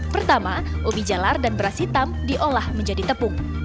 pertama ubi jalar dan beras hitam diolah menjadi tepung